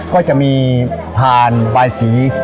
ก็จะมีผ่านบายสี